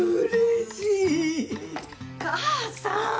母さん！